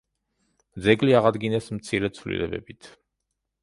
ძეგლი აღადგინეს მცირე ცვლილებებით.